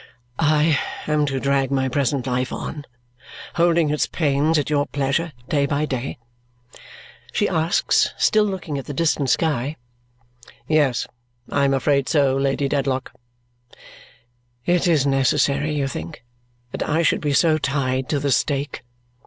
"I am to drag my present life on, holding its pains at your pleasure, day by day?" she asks, still looking at the distant sky. "Yes, I am afraid so, Lady Dedlock." "It is necessary, you think, that I should be so tied to the stake?"